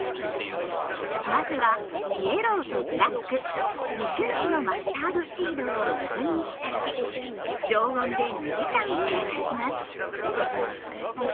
まずはイエローとブラック２種類のマスタードシードを水に浸し常温で２時間ふやかします。